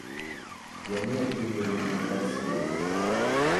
Яны атрымліваюць наказ зверху.